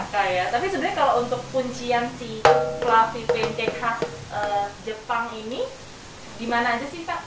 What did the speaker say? tapi sebenarnya kalau untuk puncian si fluffy pancake khas jepang ini di mana aja sih pak